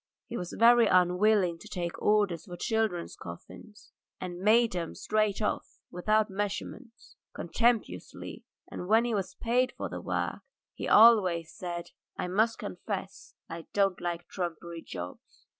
He was very unwilling to take orders for children's coffins, and made them straight off without measurements, contemptuously, and when he was paid for the work he always said: "I must confess I don't like trumpery jobs."